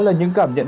đó là những cảm nhận